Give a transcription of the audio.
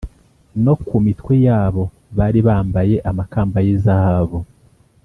no ku mitwe yabo bari bambaye amakamba y’izahabu.